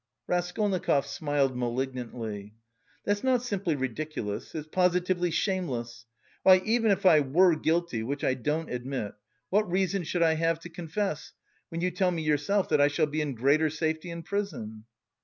Raskolnikov smiled malignantly. "That's not simply ridiculous, it's positively shameless. Why, even if I were guilty, which I don't admit, what reason should I have to confess, when you tell me yourself that I shall be in greater safety in prison?"